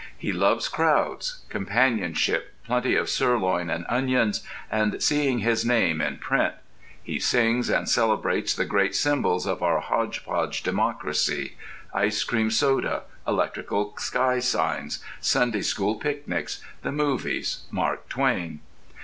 He loves crowds, companionship, plenty of sirloin and onions, and seeing his name in print. He sings and celebrates the great symbols of our hodgepodge democracy: ice cream soda, electrical sky signs, Sunday School picnics, the movies, Mark Twain.